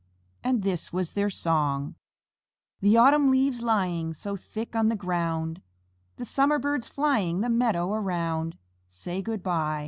And this was their song: The autumn leaves lying So thick on the ground, The summer Birds flying The meadow around, Say, "Good by."